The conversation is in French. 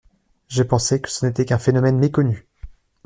J’ai pensé que ce n’était qu’un phénomène méconnu.